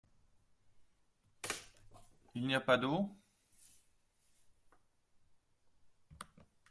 Il n'y a pas d'eau ?